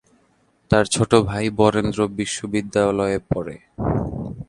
তার ছোট ভাই বরেন্দ্র বিশ্ববিদ্যালয়ে পড়ে।